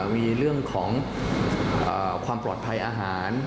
มีเรื่องของความปลอดภัยอาหาร